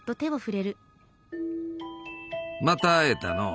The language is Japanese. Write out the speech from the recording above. また会えたのう。